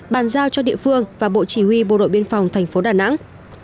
bàn giao cho địa phương và bộ chỉ huy bộ đội biên phòng thành phố đà nẵng